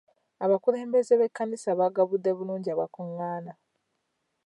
Abakulembeze b'ekkanisa baagabudde bulungi abaakungaana.